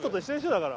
だから。